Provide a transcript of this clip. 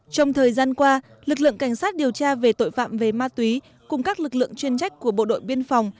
cảnh sát điều tra về tội phạm về ma túy cùng các lực lượng chuyên trách của bộ đội biên phòng